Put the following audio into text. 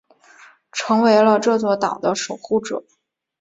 成为了这座岛的守护者。